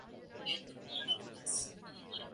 It has terete branchlets that are densely villous.